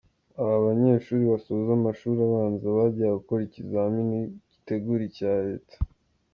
Aba banyeshuri basoza amashuri abanza bajyaga gukora ikizamini gitegura icya leta.